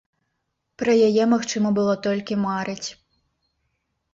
Пра яе магчыма было толькі марыць.